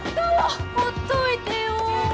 ほっといてよ